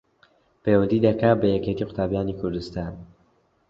پەیوەندی دەکا بە یەکێتی قوتابیانی کوردستان